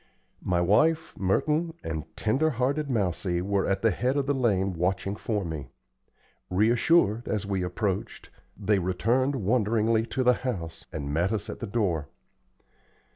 My wife, Merton, and tender hearted Mousie were at the head of the lane watching for me. Reassured, as we approached, they returned wonderingly to the house, and met us at the door.